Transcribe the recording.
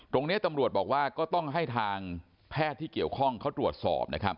ตรงนี้ตำรวจบอกว่าก็ต้องให้ทางแพทย์ที่เกี่ยวข้องเขาตรวจสอบนะครับ